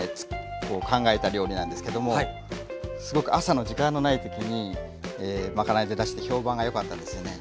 考えた料理なんですけどもすごく朝の時間のない時にまかないで出して評判がよかったんですよね。